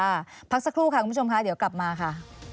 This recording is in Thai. พักสักครู่ค่ะคุณผู้ชมค่ะเดี๋ยวกลับมาค่ะ